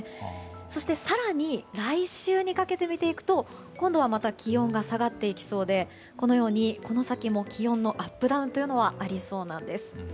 そして、更に来週にかけて見ていくと今度はまた気温が下がっていきそうでこのようにこの先も気温のアップダウンがありそうなんです。